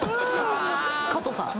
加藤さん